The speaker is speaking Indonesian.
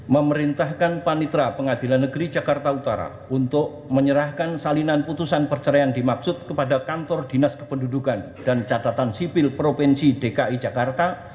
memerintahkan panitra pengadilan negeri jakarta utara untuk menyerahkan salinan putusan perceraian dimaksud kepada kantor dinas kependudukan dan catatan sipil provinsi dki jakarta